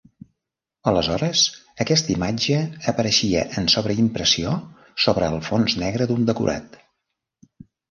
Aleshores, aquesta imatge apareixia en sobreimpressió sobre el fons negre d'un decorat.